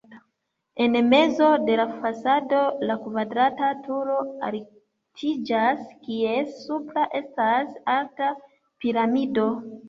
En mezo de la fasado la kvadrata turo altiĝas, kies supro estas alta piramido.